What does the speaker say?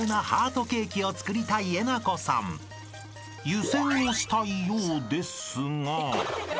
［湯煎をしたいようですが］